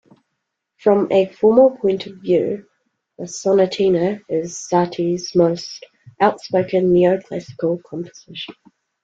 From a formal point of view the sonatina is Satie's most outspoken neoclassical composition.